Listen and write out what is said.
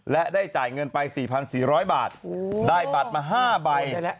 และได้จ่ายเงินไป๔๔๐๐บาทได้บัตรมา๕ใบ